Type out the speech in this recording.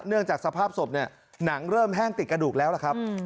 จากสภาพศพเนี่ยหนังเริ่มแห้งติดกระดูกแล้วล่ะครับ